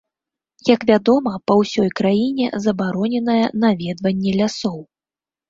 Як вядома, па ўсёй краіне забароненае наведванне лясоў.